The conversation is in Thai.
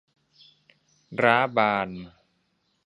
ร้าบาน